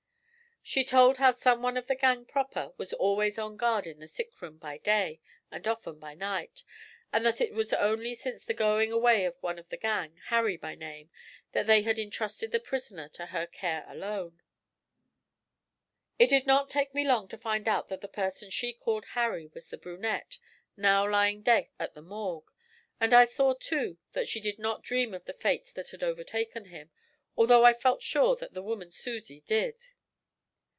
She told how some one of the gang proper was always on guard in the sick room by day, and often by night, and that it was only since the going away of one of the gang, Harry by name, that they had entrusted the prisoner to her care alone. It did not take me long to find out that the person she called Harry was the brunette, now lying dead at the Morgue, and I saw, too, that she did not dream of the fate that had overtaken him, although I felt sure that the woman Susie did.